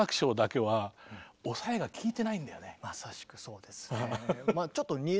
まさしくそうですね。